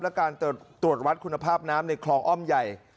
และการตรวจวัดคุณภาพน้ำในคลองอ้อมใหญ่